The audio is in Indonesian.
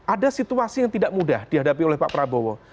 ada situasi yang tidak mudah dihadapi oleh pak prabowo